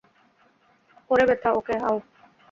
ওরে ব্যথা, ওকে, আউ।